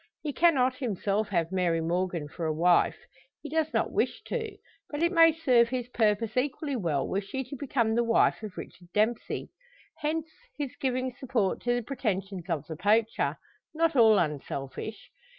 He cannot himself have Mary Morgan for a wife he does not wish to but it may serve his purpose equally well were she to become the wife of Richard Dempsey. Hence his giving support to the pretensions of the poacher not all unselfish.